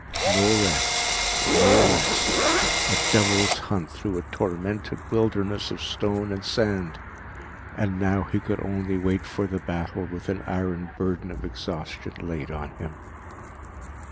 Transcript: No rest, no rest, a devil's hunt through a tormented wilderness of stone and sand, and now he could only wait for the battle with an iron burden of exhaustion laid on him.